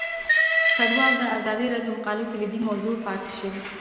کډوال د ازادي راډیو د مقالو کلیدي موضوع پاتې شوی.